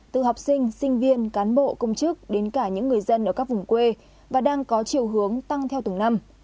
từ học sinh sinh viên cán bộ công chức đến cả những người dân ở các vùng quê và đang có chiều hướng tăng theo từng năm